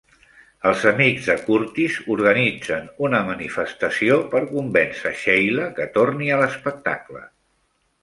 Els amics de Curtis organitzen una manifestació per convèncer Sheila què torni a l'espectacle.